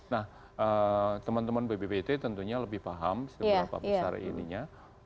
nah teman teman bbbt tentunya lebih paham seberapa besar ininya